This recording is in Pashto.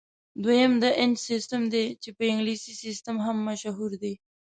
دویم د انچ سیسټم دی چې په انګلیسي سیسټم هم مشهور دی.